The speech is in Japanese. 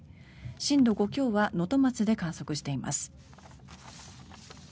震度５強は能登町で観測しています。